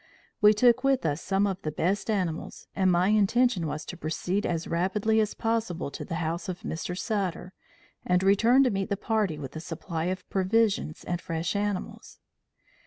We took with us some of the best animals, and my intention was to proceed as rapidly as possible to the house of Mr. Sutter, and return to meet the party with a supply of provisions and fresh animals.